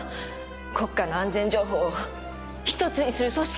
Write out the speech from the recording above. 国家の安全情報を１つにする組織が。